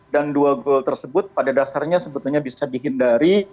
dan dua gol tersebut pada dasarnya sebetulnya bisa dihindari